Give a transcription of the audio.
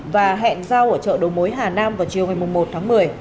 và hẹn giao ở chợ đồ mối hà nam vào chiều một mươi một tháng một mươi